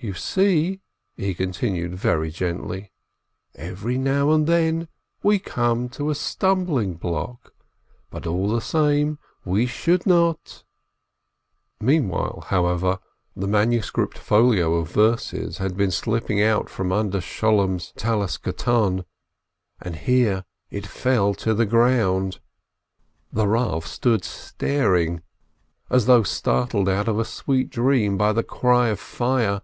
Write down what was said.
"You see," he continued very gently, "every now and then we come to a stumbling block, but all the same, we should not —" Meantime, however, the manuscript folio of verses had been slipping out from under Sholem's Four Cor ners, and here it fell to the ground. The Rav stood staring, as though startled out of a sweet dream by the cry of "fire."